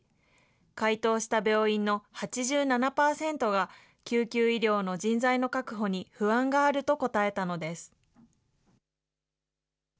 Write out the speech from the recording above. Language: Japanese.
回答した病院の８７％が、救急医療の人材の確保に不安があると答えたのです。